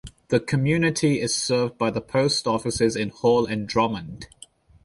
The community is served by the post offices in Hall and Drummond.